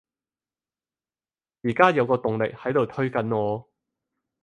而家有個動力喺度推緊我